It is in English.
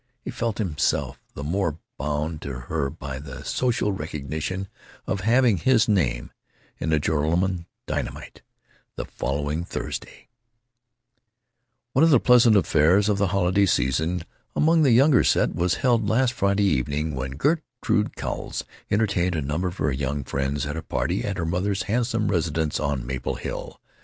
He felt himself the more bound to her by the social recognition of having his name in the Joralemon Dynamite, the following Thursday: One of the pleasantest affairs of the holiday season among the younger set was held last Friday evening, when Gertrude Cowles entertained a number of her young friends at a party at her mother's handsome residence on Maple Hill.